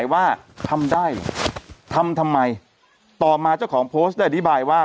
ว่าทำได้ทำทำไมต่อมาเจ้าของโพสต์ได้อธิบายว่า